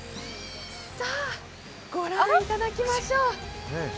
ご覧いただきましょう。